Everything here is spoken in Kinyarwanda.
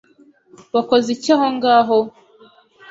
Wakoze iki aho ngaho?